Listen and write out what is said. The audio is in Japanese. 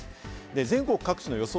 全国各地の予想